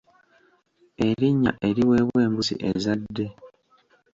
Erinnya eriweebwa embuzi ezadde?